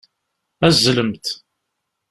Azzlemt.